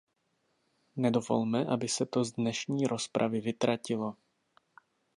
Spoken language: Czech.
Nedovolme, aby se to z dnešní rozpravy vytratilo.